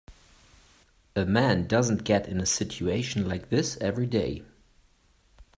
A man doesn't get in a situation like this every day.